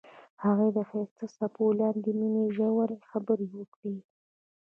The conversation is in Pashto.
هغوی د ښایسته څپو لاندې د مینې ژورې خبرې وکړې.